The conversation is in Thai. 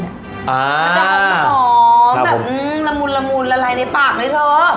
มันมีความหอมแบบราบละมูนละลายในปากโว้ยเถอะ